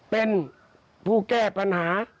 เป็นผู้แก้ปัญหา